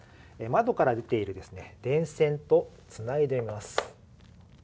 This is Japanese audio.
窓から出ている電線とつないでみます。